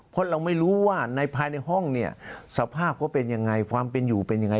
เพราะเราไม่รู้ว่าในภายในห้องเนี่ยสภาพเขาเป็นยังไงความเป็นอยู่เป็นยังไง